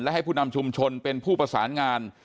และให้ผู้นำชุมชนเป็นผู้ประสานงาน